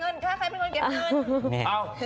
นี่